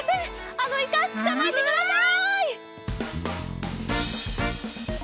あのイカつかまえてください！